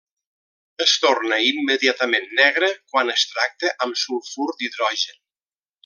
Es torna immediatament negra quan es tracta amb sulfur d'hidrogen.